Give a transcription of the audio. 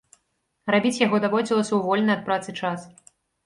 Рабіць яго даводзілася ў вольны ад працы час.